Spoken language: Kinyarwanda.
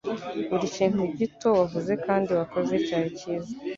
Buri kintu gito wavuze kandi wakoze cyari cyiza